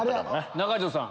中条さん。